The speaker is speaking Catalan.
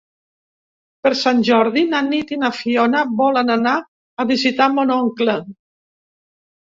Per Sant Jordi na Nit i na Fiona volen anar a visitar mon oncle.